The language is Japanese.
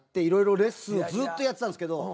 いろいろレッスンをずっとやってたんですけど。